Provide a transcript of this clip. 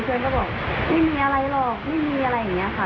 เพื่อนก็บอกไม่มีอะไรหรอกไม่มีอะไรอย่างนี้ค่ะ